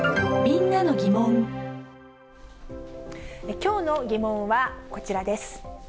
きょうの疑問はこちらです。